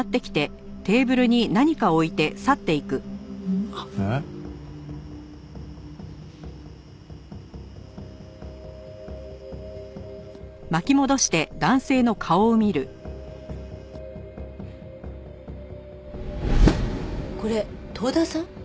ん？えっ？これ遠田さん？